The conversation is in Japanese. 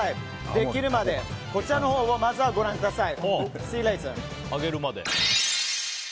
できるまでこちらをまずはご覧ください。